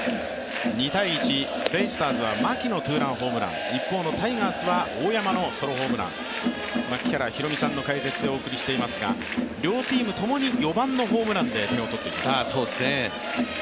２−１、ベイスターズは牧のツーランホームラン、一方のタイガースは大山のソロホームラン槙原寛己さんの解説でお送りしていますが両チームともに４番のホームランで点を取っています。